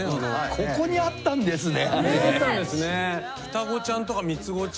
ここにあったんですね。